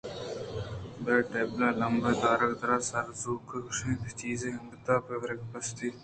برے ٹیبل ءِ لمب ءَ درٛکءُدور ءُسر ءُزنوک کشاں اِت اَنت کہ چیزے انگتءَپہ ورگءَ پشت کپتگ